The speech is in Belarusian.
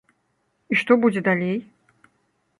І што будзе далей?